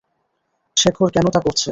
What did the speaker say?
শেখর কেন তা করছে?